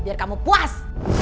biar kamu puas